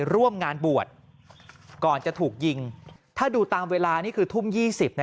ร่วมงานบวชก่อนจะถูกยิงถ้าดูตามเวลานี่คือทุ่ม๒๐นะ